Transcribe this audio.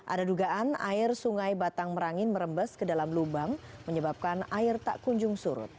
ada dugaan air sungai batang merangin merembes ke dalam lubang menyebabkan air tak kunjung surut